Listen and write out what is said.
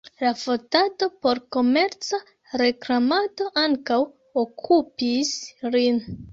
La fotado por komerca reklamado ankaŭ okupis lin.